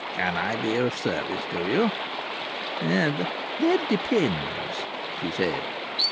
Can I be of service to you?" "That depends," she said.